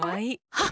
はっ！